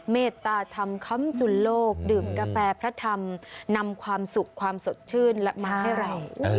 เมตตาธรรมคำจุลโลกดื่มกาแฟพระธรรมนำความสุขความสดชื่นและมาให้เรา